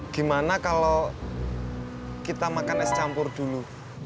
gimana kalau kita makan es campur dulu